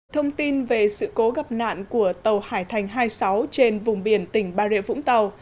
thông tin về sự cố gặp nạn của tàu hải thành hai mươi sáu trên vùng biển tỉnh bà rịa vũng tàu